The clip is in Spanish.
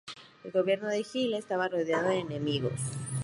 El gobierno de Gill estaba rodeado de enemigos.